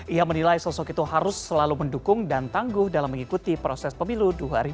ia menilai sosok itu harus selalu mendukung dan tangguh dalam mengikuti proses pemilu dua ribu dua puluh